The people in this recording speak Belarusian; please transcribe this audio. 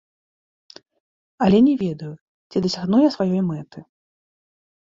Але не ведаю, ці дасягну я сваёй мэты.